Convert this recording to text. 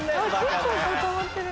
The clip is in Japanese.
結構固まってる。